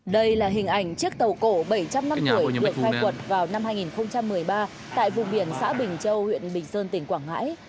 đây là hình ảnh chiếc tàu cổ bảy trăm năm tuổi được khai quật vào năm hai nghìn một mươi ba tại vùng biển xã bình châu huyện bình sơn tỉnh quảng ngãi